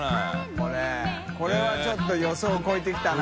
海譴ちょっと予想を超えてきたな。